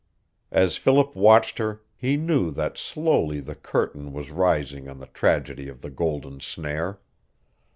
As Philip watched her he knew that slowly the curtain was rising on the tragedy of the golden snare.